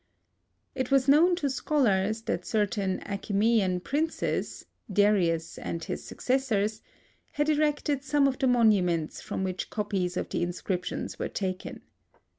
It was known to scholars that certain Achæmenian princes—Darius and his successors—had erected some of the monuments from which copies of the inscriptions were taken.